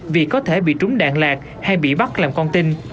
vì có thể bị trúng đạn lạc hay bị bắt làm con tin